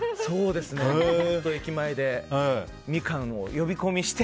駅前でミカンを呼び込みして。